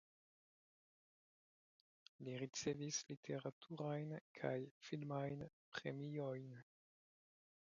Li ricevis literaturajn kaj filmajn premiojn.